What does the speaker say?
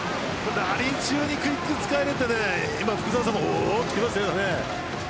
ラリー中にクイック使えるって福澤さんもおおって言いましたけどね。